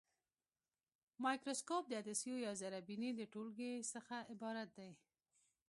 مایکروسکوپ د عدسیو یا زرې بیني د ټولګې څخه عبارت دی.